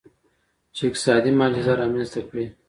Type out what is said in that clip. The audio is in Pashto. چین اقتصادي معجزه رامنځته کړې.